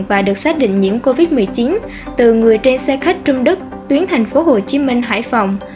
và được xác định nhiễm covid một mươi chín từ người trên xe khách trung đức tuyến thành phố hồ chí minh hải phòng